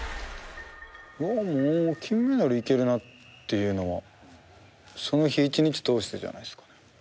もうもう金メダルいけるなっていうのはその日一日通してじゃないすかね